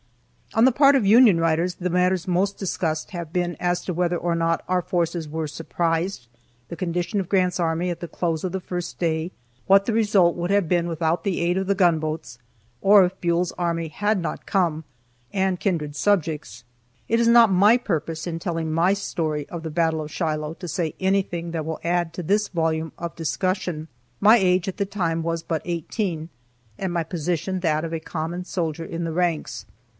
On the part of Union writers the matters most discussed have been as to whether or not our forces were surprised, the condition of Grant's army at the close of the first day, what the result would have been without the aid of the gunboats, or if Buell's army had not come, and kindred subjects. It is not my purpose, in telling my story of the battle of Shiloh, to say anything that will add to this volume of discussion. My age at the time was but eighteen, and my position that of a common soldier in the ranks.